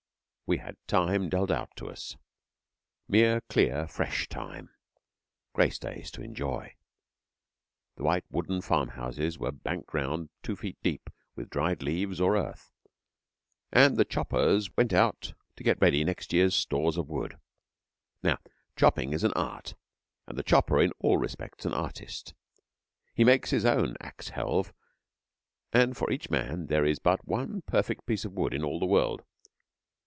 We had Time dealt out to us mere, clear, fresh Time grace days to enjoy. The white wooden farm houses were banked round two feet deep with dried leaves or earth, and the choppers went out to get ready next year's stores of wood. Now, chopping is an art, and the chopper in all respects an artist. He makes his own axe helve, and for each man there is but one perfect piece of wood in all the world.